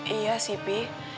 iya sih bi